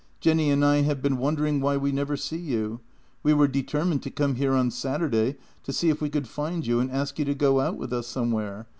Jenny and I have been wondering why we never see you; we were determined to come here on Saturday to see if we could find you and ask you to go out with us somewhere.